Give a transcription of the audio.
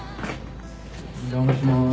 お邪魔します。